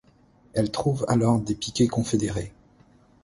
Elle trouve alors des piquets confédérés.